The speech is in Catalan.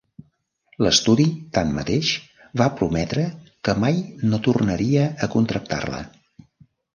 L'estudi, tanmateix, va prometre que mai no tornaria a contractar-la.